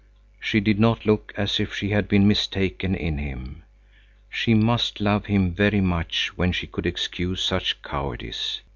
She did not look as if she had been mistaken in him. She must love him very much when she could excuse such cowardice.